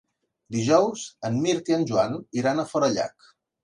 Dijous en Mirt i en Joan iran a Forallac.